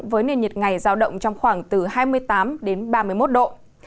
với nền nhiệt ngày giao động trong khoảng từ hai mươi tám đến ba mươi một độ